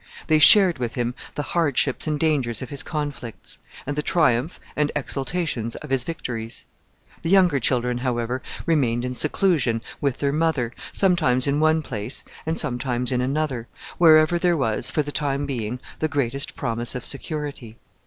They shared with him the hardships and dangers of his conflicts, and the triumph and exultations of his victories. The younger children, however, remained in seclusion with their mother, sometimes in one place and sometimes in another, wherever there was, for the time being, the greatest promise of security.